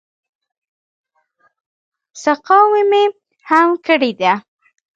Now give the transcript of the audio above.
سقاوي مې هم کړې ده.